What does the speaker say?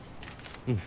うん。